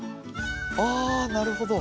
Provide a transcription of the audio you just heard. あなるほど。